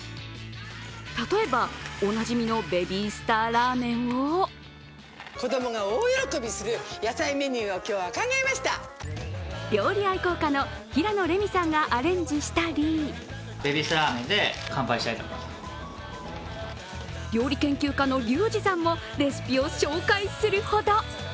例えば、おなじみのベビースターラーメンを料理愛好家の平野レミさんがアレンジしたり料理研究家のリュウジさんもレシピを紹介するほど。